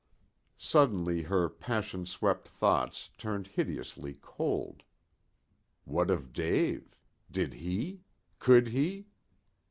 Suddenly her passion swept thoughts turned hideously cold. What of Dave? Did he? could he?